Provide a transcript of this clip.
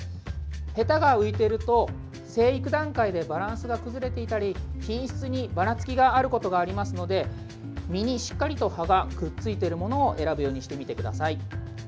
へたが浮いていると成育段階でバランスが崩れていたり品質にばらつきがあることがありますので、実にしっかりと葉がくっついているものを選ぶようにしてみてください。